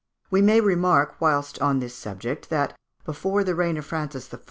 We may remark, whilst on this subject, that before the reign of Francis I.